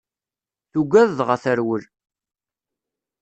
Tugad dɣa terwel.